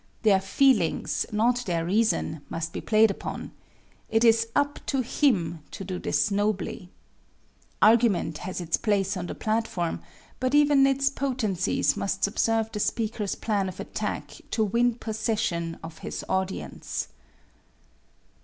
Their feelings, not their reason, must be played upon it is "up to" him to do this nobly. Argument has its place on the platform, but even its potencies must subserve the speaker's plan of attack to win possession of his audience.